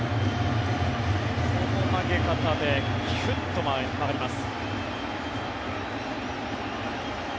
この投げ方でひゅっと曲がります。